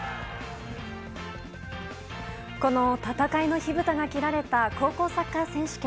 この戦いの火ぶたが切られた高校サッカー選手権。